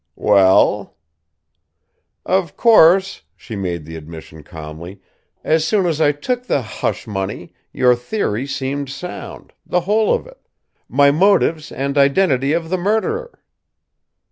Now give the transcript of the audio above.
"Well?" "Of course," she made the admission calmly, "as soon as I took the hush money, your theory seemed sound the whole of it: my motives and identity of the murderer."